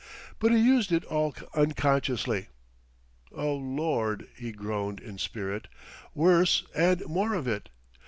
But he used it all unconsciously. "O Lord!" he groaned in spirit. "Worse and more of it!